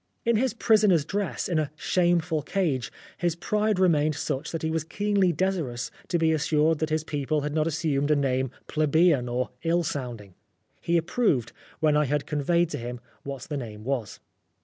In his prisoner's dress, in a shameful cage, his pride remained such that he was keenly ^ desirous to be assured that his people had not assumed a name plebeian or ill sounding. He approved, when I had conveyed to him what the name was.